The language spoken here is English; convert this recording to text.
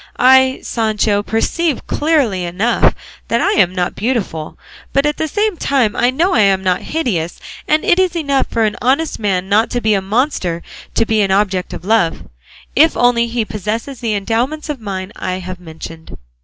I, Sancho, perceive clearly enough that I am not beautiful, but at the same time I know I am not hideous; and it is enough for an honest man not to be a monster to be an object of love, if only he possesses the endowments of mind I have mentioned."